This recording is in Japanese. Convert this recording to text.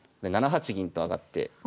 ７八銀と上がって。